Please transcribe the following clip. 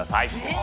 え！